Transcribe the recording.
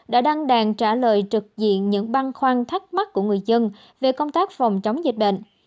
đã đăng đàn trả lời trực diện những băn khoăn thắc mắc của người dân về công tác phòng chống dịch bệnh